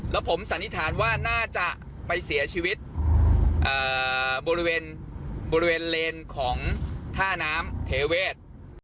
แล้วผมสันนิษฐานว่าน่าจะไปเสียชีวิตบริเวณบริเวณเลนของท่าน้ำเทเวศ